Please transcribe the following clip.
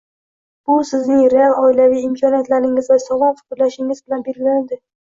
Bu sizning real oilaviy imkoniyatingiz va sog‘lom fikrlashingiz bilan belgilanadi.